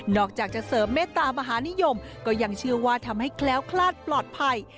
อกจากจะเสริมเมตตามหานิยมก็ยังเชื่อว่าทำให้แคล้วคลาดปลอดภัย